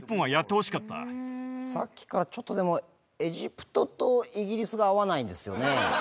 さっきからちょっとでも、エジプトとイギリスが合わないですよね。